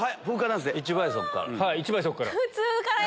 １倍速から。